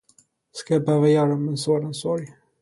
Ska jag behöva göra dem en sådan sorg?